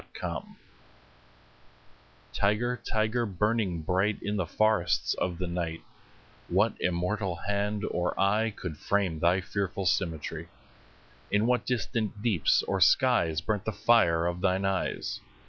The Tiger TIGER, tiger, burning bright In the forests of the night, What immortal hand or eye Could frame thy fearful symmetry? In what distant deeps or skies 5 Burnt the fire of thine eyes?